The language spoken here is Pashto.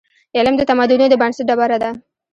علم د تمدنونو د بنسټ ډبره ده.